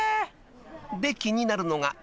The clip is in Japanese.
［で気になるのが］